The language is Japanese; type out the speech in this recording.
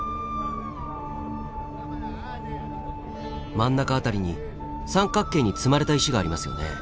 真ん中辺りに三角形に積まれた石がありますよね。